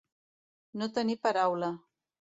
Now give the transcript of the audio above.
No tenir paraula.